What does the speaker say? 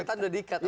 setan sudah diikat